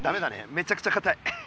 めちゃくちゃかたい。